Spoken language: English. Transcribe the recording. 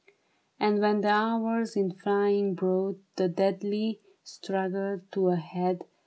And when the hours in flying brought The deadly struggle to a head.